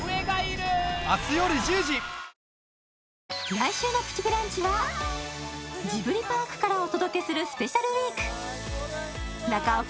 来週の「プチブランチ」はジブリパークからお届けするスペシャルウィーク中尾君